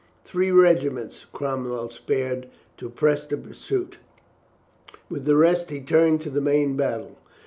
Three regiments Cromwell spared to press the pursuit; with the rest he turned to the main battle.